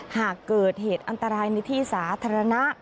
หากเกิดเหตุอันตรายในที่สาธารณะ